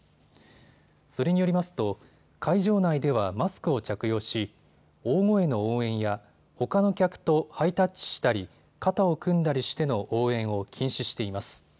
それによりますと会場内ではマスクを着用し、大声の応援やほかの客とハイタッチしたり、肩を組んだりしての応援を禁止しています。